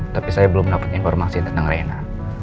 tapi saya belum dapet informasi tentang reina